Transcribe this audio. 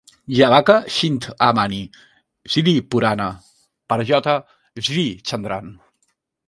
"Jeevaka Chinthamani", "Sripurana" per J. Srichandran.